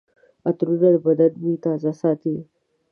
عطرونه د بدن بوی تازه ساتي.